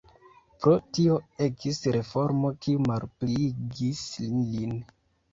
Pro tio ekis reformo kiu malpliigis ilin.